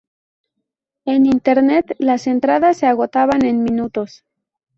En Internet, las entradas se agotaban en minutos.